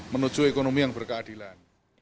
menuju ekonomi yang berkeadilan